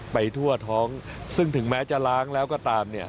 ไปทั่วท้องซึ่งถึงแม้จะล้างแล้วก็ตามเนี่ย